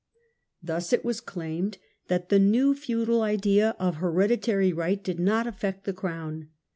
Thus KING JOHN. 49 it was claimed that the new feudal idea of hereditary right did not affect the crown.